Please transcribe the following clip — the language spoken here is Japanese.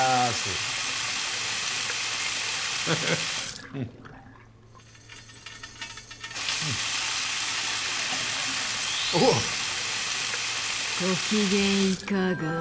ご機嫌いかが？